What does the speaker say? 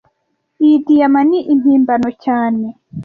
Iyi diyama ni impimbano cyane